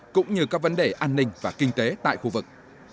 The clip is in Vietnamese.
cũng như các vấn đề an ninh và kinh tế tại khu vực